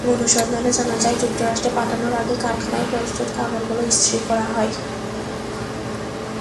অনুসন্ধানে জানা যায়, যুক্তরাষ্ট্রে পাঠানোর আগে কারখানায় প্রস্তুত কাপড়গুলো ইস্ত্রি করা হয়।